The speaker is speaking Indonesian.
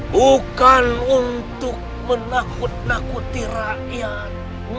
bukan untuk menakut nakuti rakyat